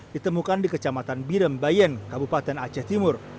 ditemukan di kecamatan birembayen kabupaten aceh timur